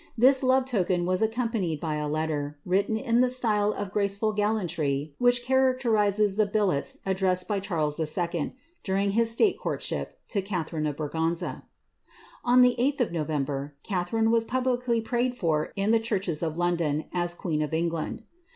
This love token was accompanied by a letter, written in the style of gracefnl gallantry which characterizes the billets addressed by Charles 11^ durii^ his Slate courtship, to Catharine of Braganza. On the 8th of November, Catharine was publicly prayed for in the churches in London, as queen o( England.